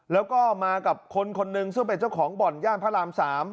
แล้วก็มากับคนคนหนึ่งซึ่งเป็นเจ้าของบ่อนย่านพระราม๓